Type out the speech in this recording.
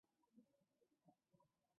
胸篮并没有钩突。